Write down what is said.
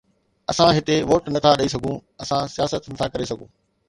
اسان هتي ووٽ نٿا ڏئي سگهون، اسان سياست نٿا ڪري سگهون